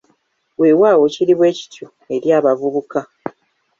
Weewaawo kiri bwekityo eri abavubuka!